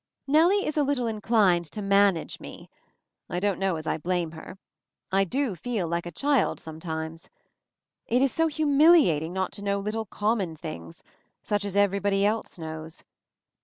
Nellie is a little inclined to manage me. I don't know as I blame her. I do feel like a child, sometimes. It is so humiliating not to know little common things such as every body else knows.